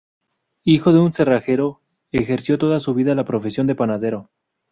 Hijo de un cerrajero, ejerció toda su vida la profesión de panadero.